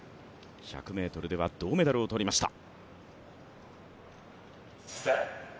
１００ｍでは銅メダルを取りました。